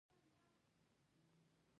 آیا موږ ورته کار کوو؟